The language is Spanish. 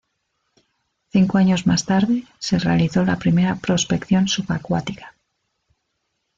Cinco años más tarde, se realizó la primera prospección subacuática.